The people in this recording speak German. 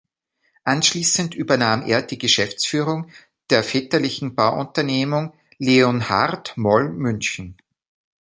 Anschließend übernahm er die Geschäftsführung der väterlichen Bauunternehmung Leonhard Moll München.